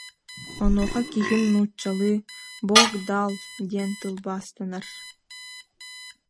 Онуоха киһим нууччалыы: «Бог дал диэн тылбаастанар»